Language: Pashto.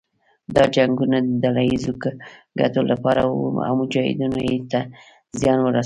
دا جنګونه د ډله ييزو ګټو لپاره وو او مجاهدینو ته يې زیان ورساوه.